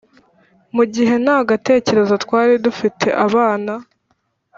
mugihe ntagatekerezo twari dufite abana!"